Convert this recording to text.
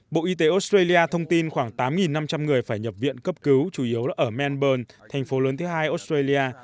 bộ y tế australia thông tin khoảng tám năm trăm linh người phải nhập viện cấp cứu chủ yếu là ở melbourne thành phố lớn thứ hai australia